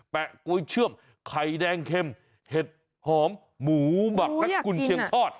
แปะกล้วยเชื่อมไข่แดงเข้มเห็ดหอมหมูบัตรกุ่นเคียงทอด